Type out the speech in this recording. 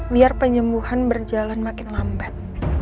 biar penyembuhan berjalan makin lambat